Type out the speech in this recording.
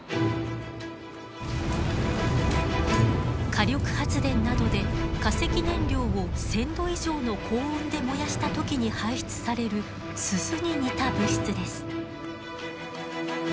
火力発電などで化石燃料を１，０００℃以上の高温で燃やした時に排出されるすすに似た物質です。